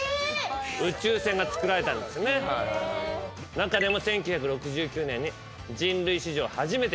中でも。